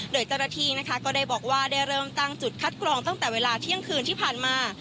โดยเจ้าหน้าที่นะคะก็ได้บอกว่าได้เริ่มตั้งจุดคัดกรองตั้งแต่เวลาเที่ยงคืนที่ผ่านมา